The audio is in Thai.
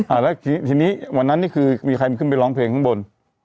อ่าแล้วทีนี้วันนั้นนี่คือมีใครมันขึ้นไปร้องเพลงข้างบน